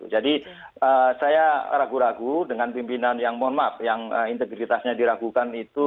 jadi saya ragu ragu dengan pimpinan yang mohon maaf yang integritasnya diragukan itu